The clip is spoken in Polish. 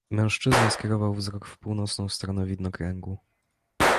"Mężczyzna skierował wzrok w północną stronę widnokręgu."